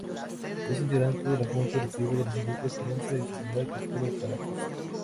Es integrante de la junta directiva del Instituto Prensa y Sociedad, capítulo Caracas.